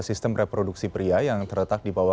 sistem reproduksi pria yang terletak di bawah